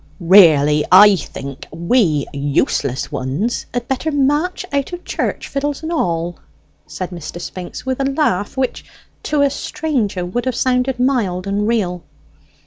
"Really, I think we useless ones had better march out of church, fiddles and all!" said Mr. Spinks, with a laugh which, to a stranger, would have sounded mild and real.